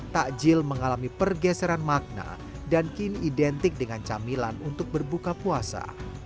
takjil mengalami pergeseran makna dan kini identik dengan camilan untuk berbuka puasa